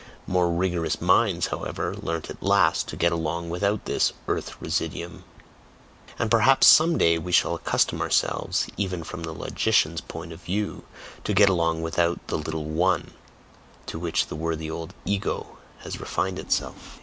More rigorous minds, however, learnt at last to get along without this "earth residuum," and perhaps some day we shall accustom ourselves, even from the logician's point of view, to get along without the little "one" (to which the worthy old "ego" has refined itself).